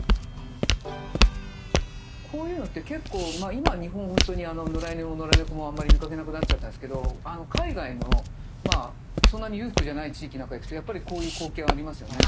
こういうのって結構今日本ほんとに野良犬も野良猫もあんまり見かけなくなっちゃったんですけど海外のそんなに裕福じゃない地域なんか行くとやっぱりこういう光景はありますよね。